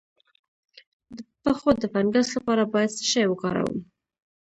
د پښو د فنګس لپاره باید څه شی وکاروم؟